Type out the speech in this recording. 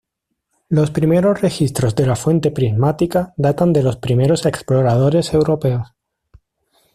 Los primeros registros de la fuente prismática datan de los primeros exploradores europeos.